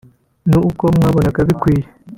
ni uko mwabonaga bikwiye